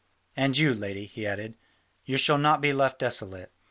And you, lady," he added, "you shall not be left desolate.